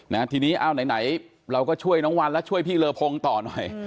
นะทีนี้อ้าวไหนไหนเราก็ช่วยน้องวันแล้วช่วยพี่เลอพงต่อหน่อย